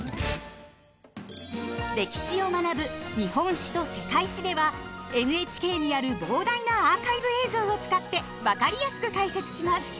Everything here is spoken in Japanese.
歴史を学ぶ「日本史」と「世界史」ではＮＨＫにある膨大なアーカイブ映像を使って分かりやすく解説します。